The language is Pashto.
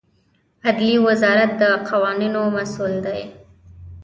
عدلیې وزارت د قوانینو مسوول دی